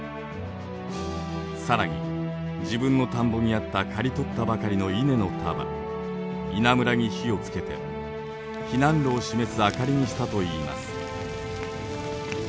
更に自分の田んぼにあった刈り取ったばかりの稲の束「稲むら」に火をつけて避難路を示す明かりにしたといいます。